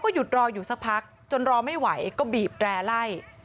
หยุดรออยู่สักพักจนรอไม่ไหวก็บีบแร่ไล่